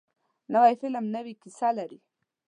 نوی فلم نوې کیسه لري